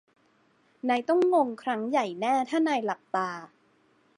นายต้องงงครั้งใหญ่แน่ถ้านายหลับตา